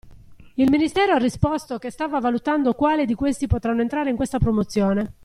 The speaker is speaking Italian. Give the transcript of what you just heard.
Il ministero ha risposto che stava valutando quali di questi potranno entrare in questa promozione.